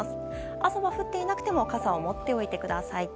朝は降っていなくても傘を持っておいてください。